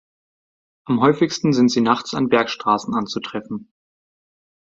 Am häufigsten sind sie nachts an Bergstraßen anzutreffen.